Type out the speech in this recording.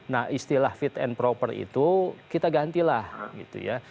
nah istilah fit and proper itu kita gantilah gitu ya